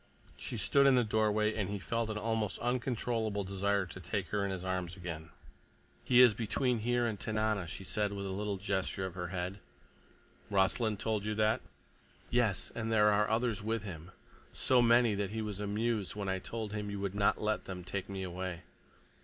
She stood in the doorway, and he felt an almost uncontrollable desire to take her in his arms again. "He is between here and Tanana," she said with a little gesture of her head. "Rossland told you that?" "Yes. And there are others with him, so many that he was amused when I told him you would not let them take me away."